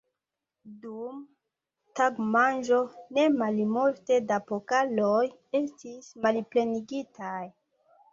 Dum tagmanĝo ne malmulte da pokaloj estis malplenigitaj!